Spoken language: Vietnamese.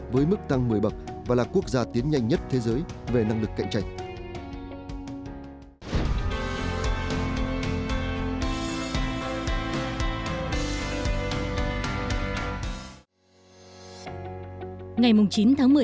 với mức tăng một mươi bậc và là quốc gia tiến nhanh nhất thế giới về năng lực cạnh tranh